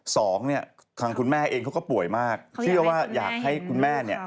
สองเนี่ยทางคุณแม่เองเขาก็ป่วยมากเชื่อว่าอยากให้คุณแม่เนี่ย